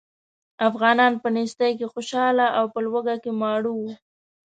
افغانان په نېستۍ کې خوشاله او په لوږه کې ماړه وو.